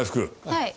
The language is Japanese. はい。